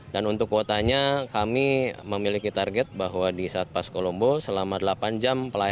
dan untuk kuotanya kami memiliki target bahwa di satpas kolombo selama delapan jam pelayanan bisa melaksanakan pelayanan sekitar seribu pemohon sim